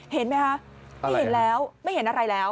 เห็นไหมคะไม่เห็นอะไรแล้ว